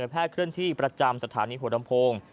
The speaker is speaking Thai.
แพทย์เคลื่อนที่ประจำสถานีหัวลำโพง